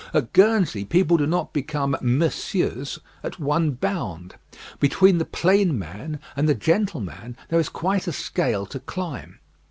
At Guernsey, people do not become "Monsieurs" at one bound. Between the plain man and the gentleman, there is quite a scale to climb.